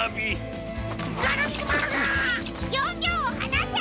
ギョンギョンをはなせ！